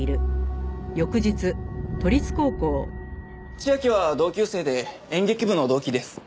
千明は同級生で演劇部の同期です。